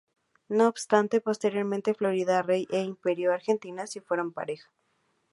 No obstante, posteriormente Florián Rey e Imperio Argentina sí fueron pareja.